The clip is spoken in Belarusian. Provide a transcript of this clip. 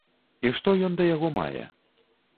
І што ён да яго мае?